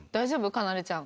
かなでちゃん